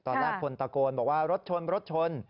ตอนแรกคนตะโกนบอกว่ารถชนรถชน